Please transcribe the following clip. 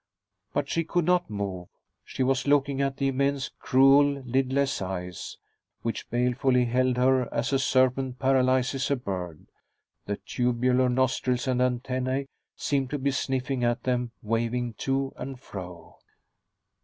But she could not move. She was looking at the immense, cruel, lidless eyes, which balefully held her as a serpent paralyzes a bird. The tubular nostrils and antennae seemed to be sniffing at them, waving to and fro.